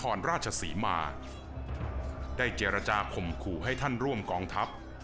ราชศรีมาได้เจรจาข่มขู่ให้ท่านร่วมกองทัพ